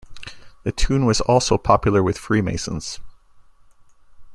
The tune was also popular with freemasons.